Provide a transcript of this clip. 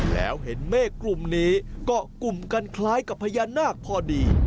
แล้วเห็นเมฆกลุ่มนี้เกาะกลุ่มกันคล้ายกับพญานาคพอดี